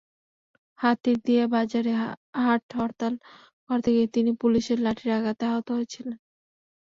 হাতিরদিয়া বাজারে হাট হরতাল করতে গিয়ে তিনি পুলিশের লাঠির আঘাতে আহত হয়েছিলেন।